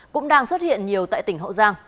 cũng đang xuất hiện nhiều tại tỉnh hậu giang